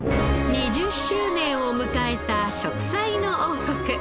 ２０周年を迎えた『食彩の王国』。